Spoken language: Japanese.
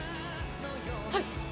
「はい」。